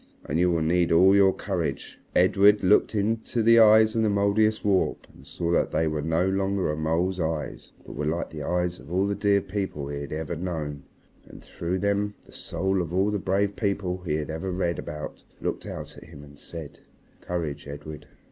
And you will need all your courage. Look in my eyes." Edred looked in the eyes of the Mouldiestwarp and saw that they were no longer a mole's eyes but were like the eyes of all the dear people he had ever known, and through them the soul of all the brave people he had ever read about looked out at him and said, "Courage, Edred.